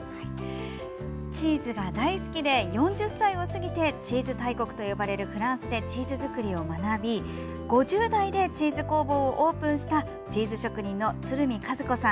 チーズが大好きでチーズ大国と呼ばれるフランスでチーズ作りを学び５０代でチーズ工房をオープンしたチーズ職人の鶴見和子さん